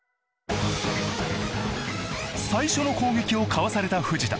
最初の攻撃をかわされた藤田。